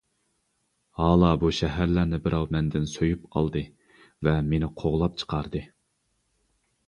ھالا بۇ شەھەرلەرنى بىراۋ مەندىن سويۇپ ئالدى ۋە مېنى قوغلاپ چىقاردى.